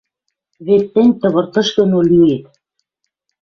Вет тӹнь тывыртыш доно лӱэт